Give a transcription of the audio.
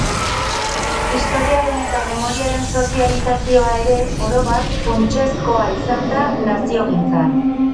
Historiaren eta memoriaren sozializazioa ere, orobat, funtsezkoa izan da naziogintzan.